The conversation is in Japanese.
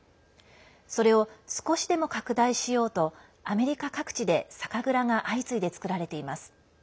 それを少しでも拡大しようとアメリカ各地で酒蔵が相次いでつくられています。